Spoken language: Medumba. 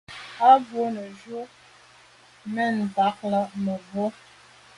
A bwô neju’ men ntag là mebwô.